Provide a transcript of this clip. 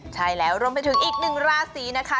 ใช่แล้วรวมไปถึงอีกหนึ่งราศีนะคะ